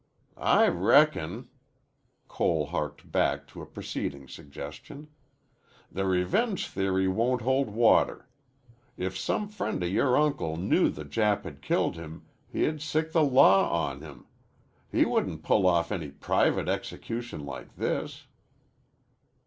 "I reckon." Cole harked back to a preceding suggestion. "The revenge theory won't hold water. If some friend of yore uncle knew the Jap had killed him he'd sick the law on him. He wouldn't pull off any private execution like this."